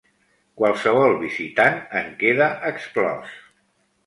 Qualsevol visitant en queda exclòs.